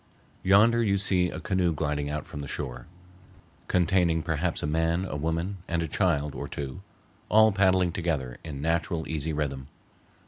Yonder you see a canoe gliding out from the shore, containing perhaps a man, a woman, and a child or two, all paddling together in natural, easy rhythm.